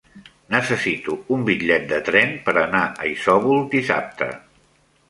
Necessito un bitllet de tren per anar a Isòvol dissabte.